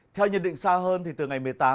theo nhận định xa hơn thì từ ngày một mươi tám